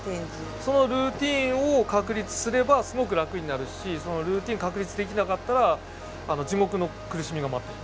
そのルーティーンを確立すればすごく楽になるしそのルーティーン確立できなかったら地獄の苦しみが待っている。